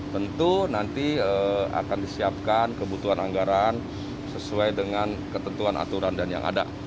tentu nanti akan disiapkan kebutuhan anggaran sesuai dengan ketentuan aturan dan yang ada